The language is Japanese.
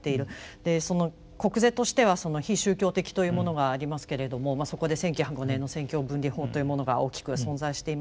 でその国是としては非宗教的というものがありますけれどもそこで１９０５年の政教分離法というものが大きく存在していますが。